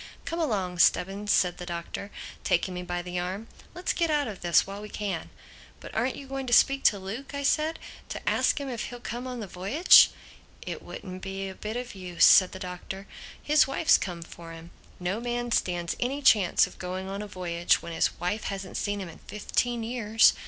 "Come along, Stubbins," said the Doctor, taking me by the arm, "let's get out of this while we can." "But aren't you going to speak to Luke?" I said—"to ask him if he'll come on the voyage?" "It wouldn't be a bit of use," said the Doctor. "His wife's come for him. No man stands any chance of going on a voyage when his wife hasn't seen him in fifteen years.